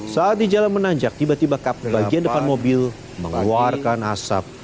saat di jalan menanjak tiba tiba kap bagian depan mobil mengeluarkan asap